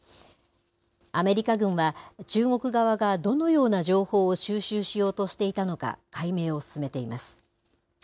アメリカ軍は、中国側がどのような情報を収集しようとしていたのか、解明を進めています。